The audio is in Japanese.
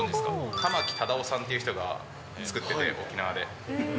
玉城忠男さんっていう方が作ってて、沖縄で。